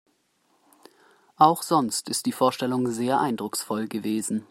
Auch sonst ist die Vorstellung sehr eindrucksvoll gewesen.